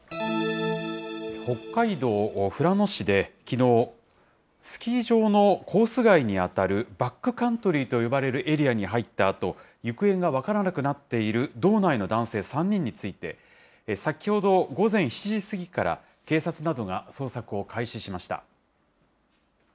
北海道富良野市できのう、スキー場のコース外に当たるバックカントリーと呼ばれるエリアに入ったあと、行方が分からなくなっている道内の男性３人について、先ほど午前７時過ぎから、警察などが捜索を開始しました。